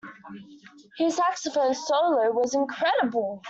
His saxophone solo was incredible.